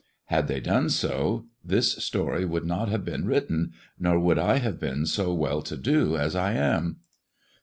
Had they done so, this story would not have >«en written, nor would I have been so well to do as I am.